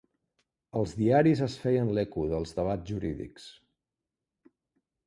Els diaris es feien l'eco dels debats jurídics.